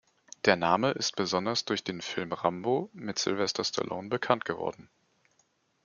Der Name ist besonders durch den Film "Rambo" mit Sylvester Stallone bekannt geworden.